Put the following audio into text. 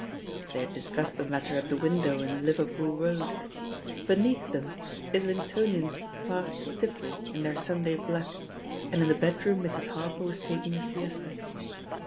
They had discussed the matter at the window in Liverpool Road. Beneath them, Islingtoni ans passed stiffly in their Sunday blacky and in the bedroom Mrs. Harper was taking a siesta.